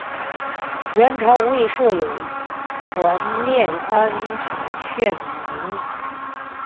元朝末设有团练安辅劝农使来镇压农民起义。